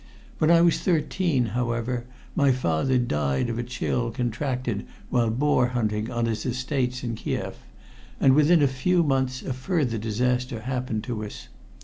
When I was thirteen, however, my father died of a chill contracted while boar hunting on his estate in Kiev, and within a few months a further disaster happened to us.